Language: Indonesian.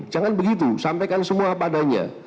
jangan begitu sampaikan semua padanya